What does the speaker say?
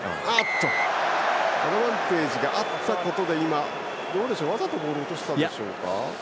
アドバンテージがあったことで今、わざとボールを落としたんでしょうか。